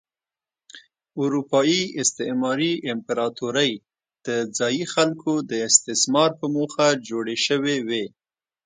اروپايي استعماري امپراتورۍ د ځايي خلکو د استثمار په موخه جوړې شوې وې.